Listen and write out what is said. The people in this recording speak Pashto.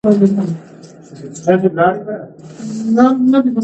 سیلانیان نور نه راځي.